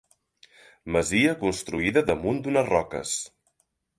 Masia construïda damunt d'unes roques.